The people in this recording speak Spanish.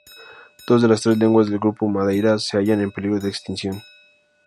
Dos de las tres lenguas del grupo madeira se hallan en peligro de extinción.